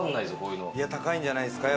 高いんじゃないですか？